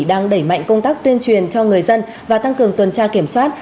đang đẩy mạnh công tác tuyên truyền cho người dân và tăng cường tuần tra kiểm soát